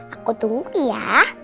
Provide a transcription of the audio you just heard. aku tunggu ya